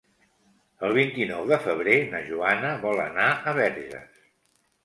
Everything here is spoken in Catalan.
El vint-i-nou de febrer na Joana vol anar a Verges.